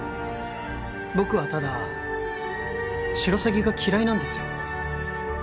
僕はただシロサギが嫌いなんですよ